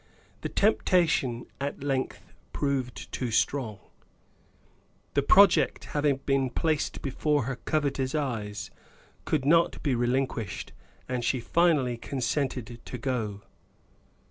The temptation at length proved too strong; the project having been placed before her covetous eyes could not be relinquished, and she finally consented to go.